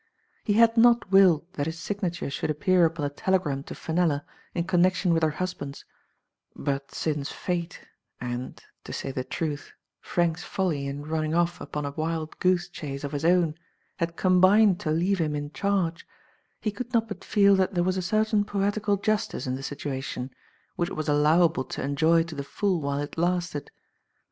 He had not willed that his signature should a^ppear upon the telegram to Fenella in connection with her husband's; but since fate and (to say the truth) Frank's folly in running off upon a wild goose chase of his own had combined to leave him in charge, he could not but feel that there was a certain poetical justice in the situation, which it was allowable to enjoy to the full while it lasted.